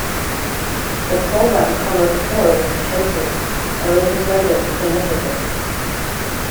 The program covers stories, cases, and legislative initiatives.